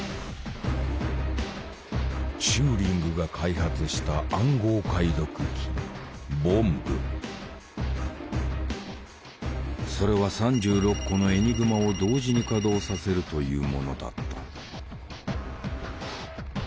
チューリングが開発した暗号解読機それは３６個のエニグマを同時に稼働させるというものだった。